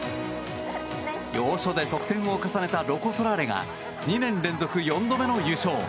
要所で得点を重ねたロコ・ソラーレが２年連続４度目の優勝。